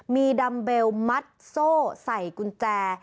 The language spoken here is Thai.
ดัมเบลมัดโซ่ใส่กุญแจ